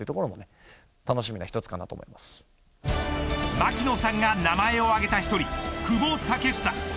槙野さんが名前を挙げた１人久保建英。